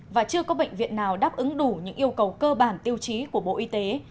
và chưa có bệnh viện nào đáp ứng đủ những yêu cầu cơ bản tiêu chí của bộ y tế